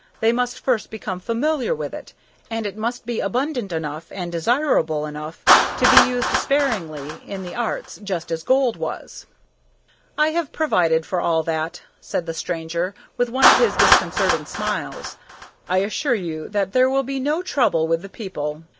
They must first become familiar with it, and it must be abundant enough and desirable enough to be used sparingly in the arts, just as gold was." "I have provided for all that," said the stranger, with one of his disconcerting smiles. "I assure you that there will be no trouble with the people.